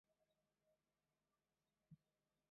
在台湾是常用的单位